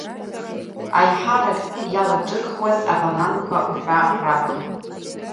Аиҳарак иалаҿырхуаз абананқәа уҳәа ракәын.